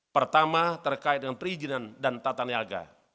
pertama terkait dengan perizinan dan tata niaga